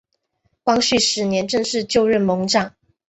光绪十年正式就任盟长。